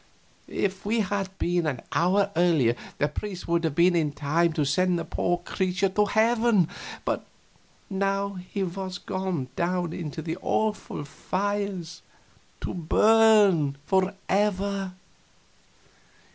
If we had been an hour earlier the priest would have been in time to send that poor creature to heaven, but now he was gone down into the awful fires, to burn forever.